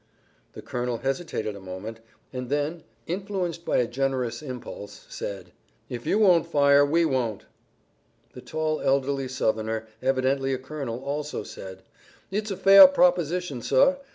The colonel hesitated a moment, and then, influenced by a generous impulse, said: "If you won't fire, we won't." The tall, elderly Southerner, evidently a colonel, also said: "It's a fair proposition, sir.